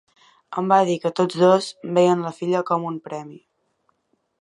Em va dir que tots dos veien la filla com un premi.